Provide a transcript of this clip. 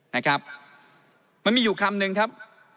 นะครับมันมีอยู่คำนึงครับ